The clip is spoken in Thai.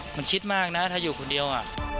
มันชิดมากนะถ้าอยู่คนเดียว